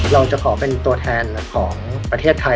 เราจะขอเป็นตัวแทนของประเทศไทย